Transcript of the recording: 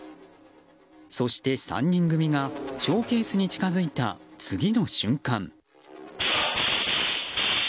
そして、３人組がショーケースに近づいた次の瞬間。